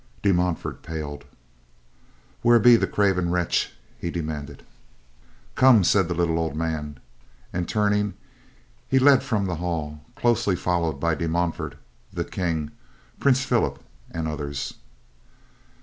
De Montfort paled. "Where be the craven wretch?" he demanded. "Come," said the little, old man. And turning, he led from the hall, closely followed by De Montfort, the King, Prince Philip and the others.